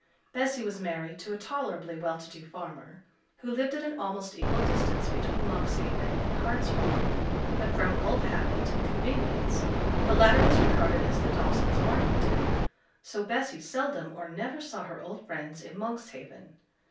Bessy was married to a tolerably well to do farmer who lived at an almost equal distance between Monkshaven and Hartswell; but from old habit and convenience the latter was regarded as the Dawsons' market town; so Bessy seldom or never saw her old friends in Monkshaven.